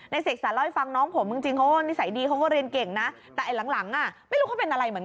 ในสเศกสรรค์ตามคุณผู้เป็นพุทธ